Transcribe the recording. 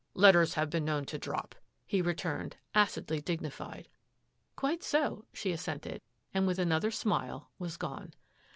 " Letters have been known to drop,'' he re turned, acidly dignified. " Quite so," she assented, and with another smile, was gone.